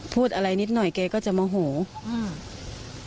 พูดอะไรนิดหน่อยเขาก็จะมโหล